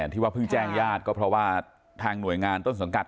ที่ว่าเพิ่งแจ้งญาติก็เพราะว่าทางหน่วยงานต้นสังกัด